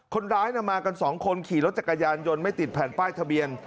คนร้ายมากัน๒คนขี่รถจักรยานยนต์ไม่ติดแผ่นป้ายทะเบียน